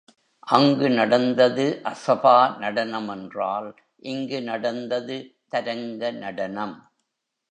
அங்கு நடந்தது அசபா நடனம் என்றால் இங்கு நடந்தது தரங்க நடனம்.